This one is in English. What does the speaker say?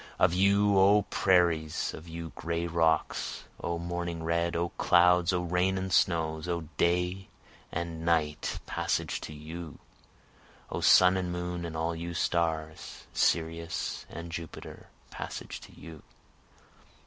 Of you O prairies! of you gray rocks! O morning red! O clouds! O rain and snows! O day and night, passage to you! O sun and moon and all you stars! Sirius and Jupiter! Passage to you!